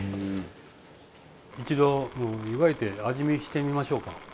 一度湯がいて味見してみましょうか。